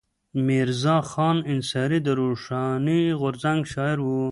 میرزا خان انصاري د روښاني غورځنګ شاعر و.